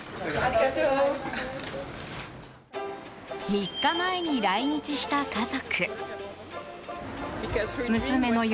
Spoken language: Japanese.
３日前に来日した家族。